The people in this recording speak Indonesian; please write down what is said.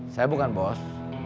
saya bukan bos